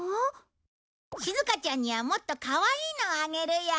しずかちゃんにはもっとかわいいのをあげるよ。